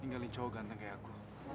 tinggalin cowok ganteng kayak aku